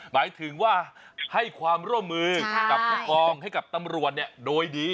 หมายถึงว่าให้ความร่วมมือกับผู้กองให้กับตำรวจโดยดี